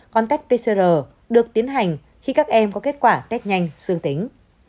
còn cách pcr được tiến hành khi các em có kết quả test nhanh xương tính